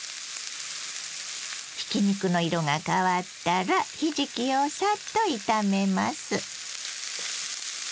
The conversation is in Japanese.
ひき肉の色が変わったらひじきをさっと炒めます。